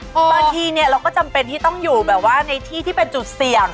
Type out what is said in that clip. บางทีเนี่ยเราก็จำเป็นที่ต้องอยู่แบบว่าในที่ที่เป็นจุดเสี่ยง